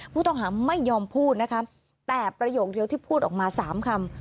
ผู้ต้องหาไม่ยอมพูดนะคะแต่ประโยคเดียวที่พูดออกมา๓คำ